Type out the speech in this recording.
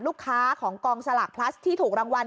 ของกองสลากพลัสที่ถูกรางวัล